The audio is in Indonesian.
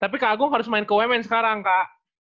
tapi kagung harus main ke umn sekarang kak